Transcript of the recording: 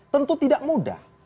tentu tidak mudah